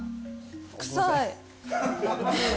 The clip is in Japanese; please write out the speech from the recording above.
臭い！